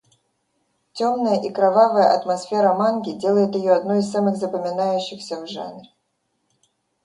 Темная и кровавая атмосфера манги делает ее одной из самых запоминающихся в жанре.